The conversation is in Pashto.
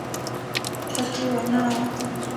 پکښې ورننوتم.